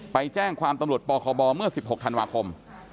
ไปแจ้งความตำรวจปคบเมื่อ๑๖ธันวาคม